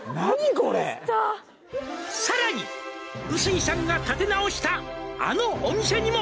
これ「さらに臼井さんが立て直したあのお店にも」